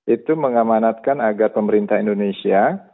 itu mengamanatkan agar pemerintah indonesia